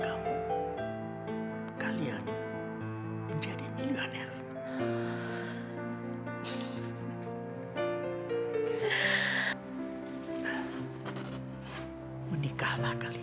kamu sudah menjalankan tugas kamu dengan baik